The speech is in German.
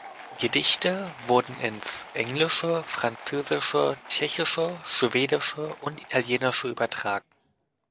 Gedichte wurden ins Englische, Französische, Tschechische, Schwedische und Italienische übertragen.